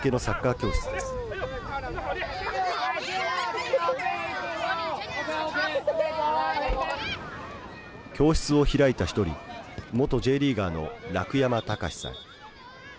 教室を開いた一人元Ｊリーガーの楽山孝志さん。